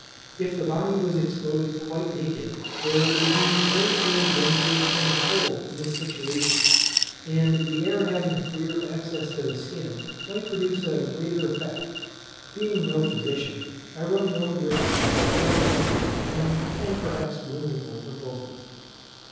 If the body was exposed quite naked, there would be very little danger from the cold in this situation, and the air having freer access to the skin might produce a greater effect. Being no physician, I run no risk by throwing out these random, and perhaps whimsical proposals.